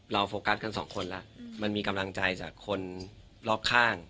โฟกัสกันสองคนแล้วมันมีกำลังใจจากคนรอบข้าง